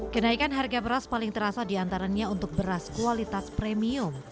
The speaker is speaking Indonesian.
kenaikan harga beras paling terasa diantaranya untuk beras kualitas premium